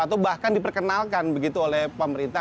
atau bahkan diperkenalkan begitu oleh pemerintah